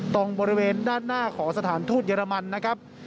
ตรงบริเวณด้านหน้าของสถานทูตเยอรมันนะครับ